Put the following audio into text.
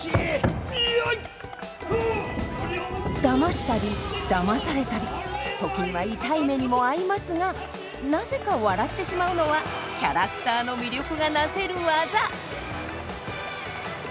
だましたりだまされたり時には痛い目にも遭いますがなぜか笑ってしまうのはキャラクターの魅力がなせるわざ。